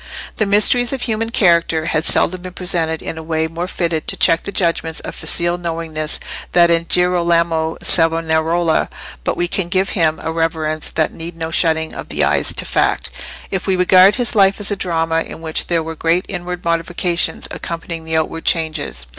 The mysteries of human character have seldom been presented in a way more fitted to check the judgments of facile knowingness than in Girolamo Savonarola; but we can give him a reverence that needs no shutting of the eyes to fact, if we regard his life as a drama in which there were great inward modifications accompanying the outward changes.